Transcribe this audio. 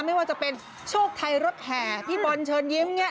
ไม่ว่าจะเป็นโชคไทยรถแห่พี่บอลเชิญยิ้มเนี่ย